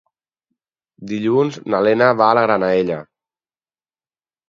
Dilluns na Lena va a la Granadella.